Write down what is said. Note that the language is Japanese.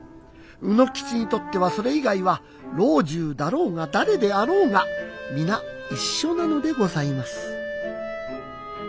卯之吉にとってはそれ以外は老中だろうが誰であろうが皆一緒なのでございます。